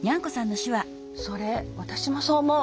それ私もそう思う。